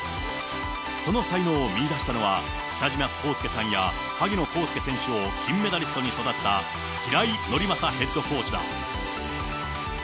その才能を見いだしたのは、北島康介さんや萩野公介選手を金メダリストに育てた平井伯昌ヘッドコーチです。